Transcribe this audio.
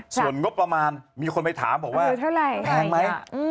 ส่วนงบประมาณมีคนไปถามบอกว่าแพงไหม